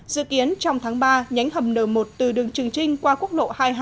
dự kiến trong tháng ba nhánh hầm n một từ đường trường trinh qua quốc lộ hai mươi hai